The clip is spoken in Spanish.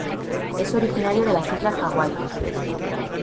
Es originario de las Islas Hawái.